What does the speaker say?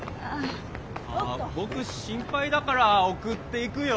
あ僕心配だから送っていくよ。